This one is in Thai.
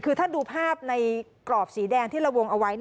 คือถ้าดูภาพในกรอบสีแดงที่เราวงเอาไว้